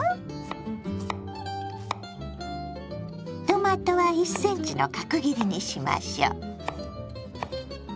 トマトは１センチの角切りにしましょう。